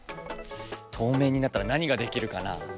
透明になったら何ができるかな？